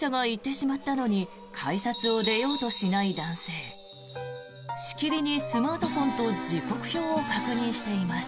しきりにスマートフォンと時刻表を確認しています。